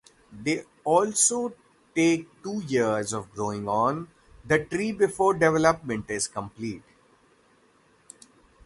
They also take two years of growing on the tree before development is completed.